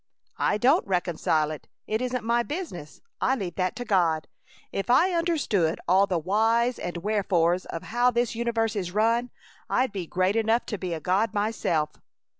"I don't reconcile it. It isn't my business. I leave that to God. If I understood all the whys and wherefores of how this universe is run I'd be great enough to be a God myself."